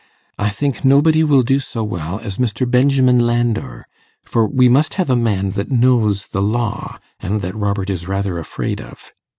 I think nobody will do so well as Mr. Benjamin Landor, for we must have a man that knows the law, and that Robert is rather afraid of.